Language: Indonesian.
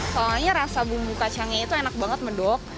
soalnya rasa bumbu kacangnya itu enak banget medok